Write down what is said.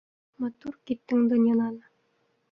Матур киттең донъянан.